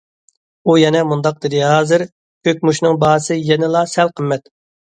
ئۇ يەنە مۇنداق دېدى:‹‹ ھازىر كۆكمۇچنىڭ باھاسى يەنىلا سەل قىممەت››.